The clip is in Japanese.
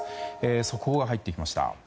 速報が入ってきました。